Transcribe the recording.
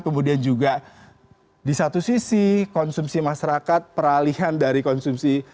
kemudian juga di satu sisi konsumsi masyarakat peralihan dari konsumsi